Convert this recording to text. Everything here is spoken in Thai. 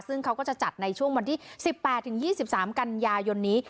ซึ่งเขาก็จะจัดในช่วงวันที่๑๘๒๓กันยายนนี้